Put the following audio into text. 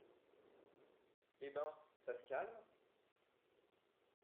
Eh ! ben, ça se calme ?